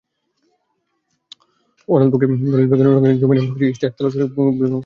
অন্য পক্ষে লাল-বেগুনি রঙের জমিনে ইশতিয়াক তালুকদার এঁকেছেন বুড়িগঙ্গা তীরবর্তী রাতের শহর।